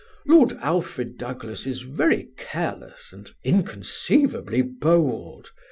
"Lord Alfred Douglas is very careless and inconceivably bold.